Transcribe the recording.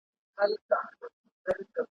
زه له سېل څخه سم پاته هغوی ټول وي الوتلي `